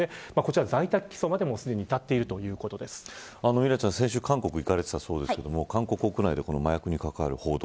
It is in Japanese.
ミラちゃん、先週韓国に行かれていたそうですが韓国国内で麻薬に関わる報道